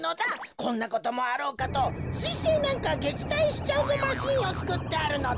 こんなこともあろうかとすいせいなんかげきたいしちゃうぞマシンをつくってあるのだ。